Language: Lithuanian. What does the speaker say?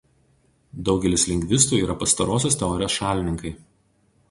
Daugelis lingvistų yra pastarosios teorijos šalininkai.